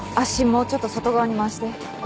もうちょっと外側に回して。